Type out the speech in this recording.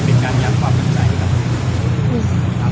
เป็นการยามความตื่นใจให้กับคุณครับ